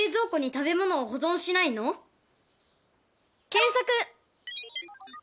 検索！